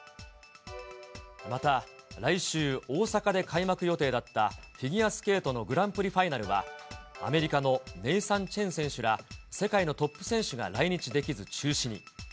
また来週、大阪で開幕予定だったフィギュアスケートのグランプリファイナルは、アメリカのネイサン・チェン選手ら、世界のトップ選手が来日できず中止に。